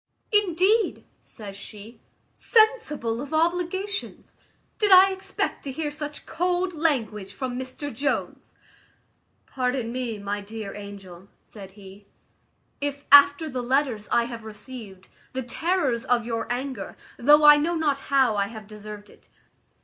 "Indeed!" says she, "sensible of obligations! Did I expect to hear such cold language from Mr Jones?" "Pardon me, my dear angel," said he, "if, after the letters I have received, the terrors of your anger, though I know not how I have deserved it."